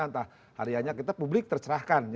entah harianya kita publik tercerahkan